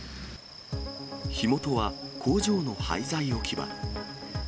火元は工場の廃材置き場。